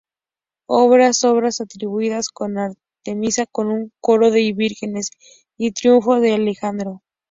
Otras obras atribuidas son "Artemisa con un coro de vírgenes" y "Triunfo de Alejandro".